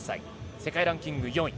世界ランキング４位。